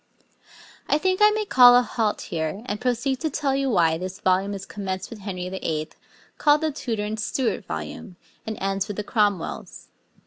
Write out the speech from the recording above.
I think I may call a halt here, and proceed to tell you why this volume is commenced with Henry VII., called the Tudor and Stuart volume, and ends with the Cromwells.